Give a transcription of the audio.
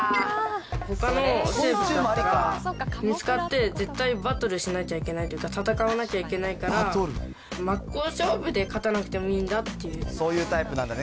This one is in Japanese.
ほかの生物だったら、見つかって絶対バトルしなくちゃいけないというか、戦わなきゃいけないから、真っ向勝負で勝たなくてもいいんだっていう。